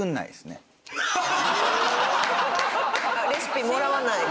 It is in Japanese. レシピもらわない？